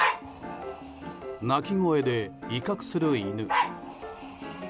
鳴き声で威嚇する犬。